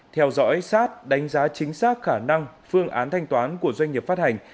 theo dõi sát đánh giá chính xác khả năng phương án thanh toán của doanh nghiệp phát hành